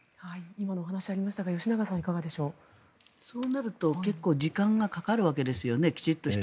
今のお話がありましたがそうなると結構時間がかかるわけですよね。